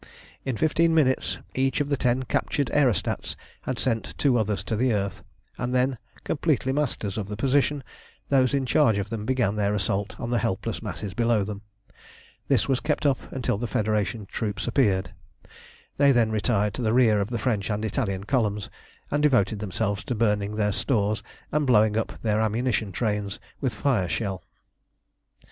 In fifteen minutes each of the ten captured aerostats had sent two others to the earth, and then, completely masters of the position, those in charge of them began their assault on the helpless masses below them. This was kept up until the Federation troops appeared. Then they retired to the rear of the French and Italian columns, and devoted themselves to burning their stores and blowing up their ammunition trains with fire shell.